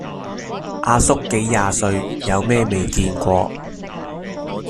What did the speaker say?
阿叔幾廿歲，有咩未見過